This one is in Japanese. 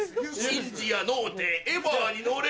シンジやのうてエヴァに乗れ。